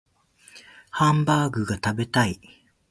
ハンバーグが食べたい